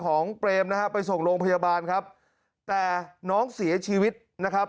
เปรมนะฮะไปส่งโรงพยาบาลครับแต่น้องเสียชีวิตนะครับ